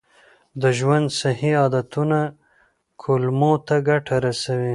د ژوند صحي عادتونه کولمو ته ګټه رسوي.